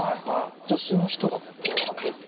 助手の人がここを開けて。